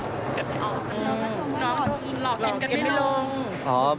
หลอกกินกันไม่ลง